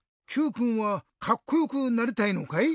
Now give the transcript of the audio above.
Ｑくんはカッコよくなりたいのかい？